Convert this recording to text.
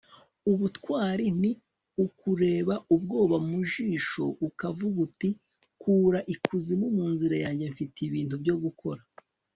ubutwari ni ukureba ubwoba mu jisho ukavuga uti: kura ikuzimu mu nzira yanjye, mfite ibintu byo gukora